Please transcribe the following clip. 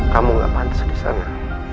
kamu gak pantas disana